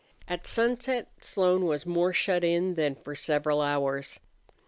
At sunset Slone was more shut in than for several hours.